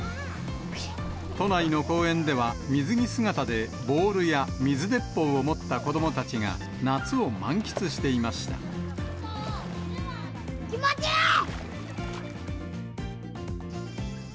都内の公園では、水着姿でボールや水鉄砲を持った子どもたちが、夏を満喫していま気持ちいい！